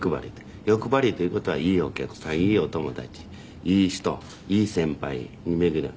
欲張りという事はいいお客さんいいお友達いい人いい先輩に巡り合う。